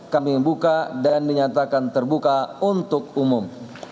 kami buka dan dinyatakan terbuka untuk umum